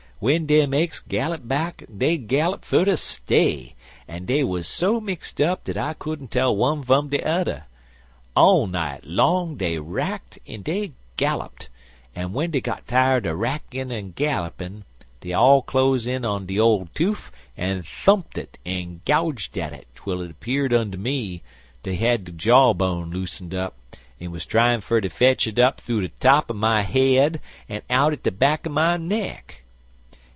"W'en dem aches gallop back dey galloped fer ter stay, an' dey wuz so mixed up dat I couldn't tell one fum de udder. All night long dey racked an' dey galloped, an' w'en dey got tired er rackin' an' gallopin', dey all close in on de ole toof an' thumped it an' gouged at it twel it 'peared unto me dat dey had got de jaw bone loosened up, an' wuz tryin' fer ter fetch it up thoo de top er my head an' out at der back er my neck.